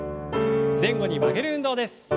前後に曲げる運動です。